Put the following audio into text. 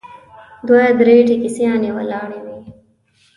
دوه درې ټیکسیانې ولاړې وې.